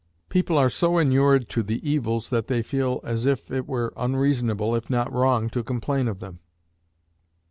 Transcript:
People are so inured to the evils that they feel as if it were unreasonable, if not wrong, to complain of them.